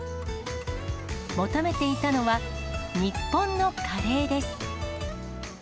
求めていたのは、日本のカレーです。